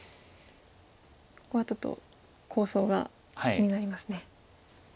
ここはちょっと構想が気になりますね。